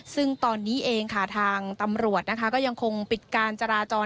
ซึ่งตอนนี้ครับทางตำรวจยังพิการจราจร